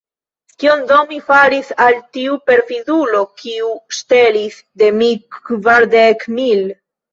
Kion do mi faris al tiu perfidulo, kiu ŝtelis de mi kvardek mil?